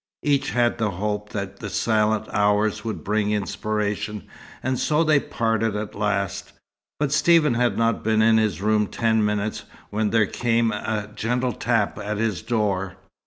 Each had the hope that the silent hours would bring inspiration, and so they parted at last. But Stephen had not been in his room ten minutes when there came a gentle tap at his door.